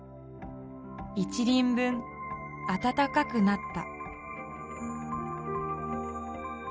一輪分暖かくなった」。